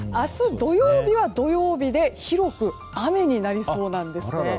土曜日は土曜日で広く雨になりそうなんですね。